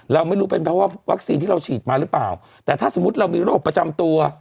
เราไม่รู้เป็นเพราะว่าวัคซีนที่เราฉีดมาหรือเปล่าแต่ถ้าสมมุติเรามีโรคประจำตัว